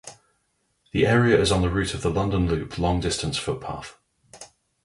The area is on the route of the London Loop long-distance footpath.